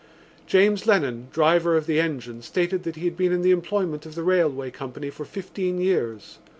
James Lennon, driver of the engine, stated that he had been in the employment of the railway company for fifteen years.